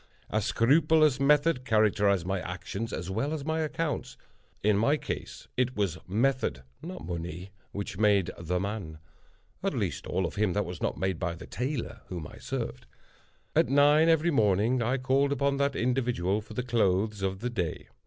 A scrupulous method characterized my actions as well as my accounts. In my case it was method—not money—which made the man: at least all of him that was not made by the tailor whom I served. At nine, every morning, I called upon that individual for the clothes of the day.